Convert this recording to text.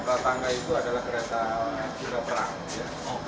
ratangga itu adalah kereta juga perang